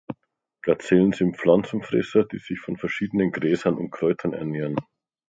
Gazellen sind Pflanzenfresser, die sich von verschiedenen Gräsern und Kräutern ernähren.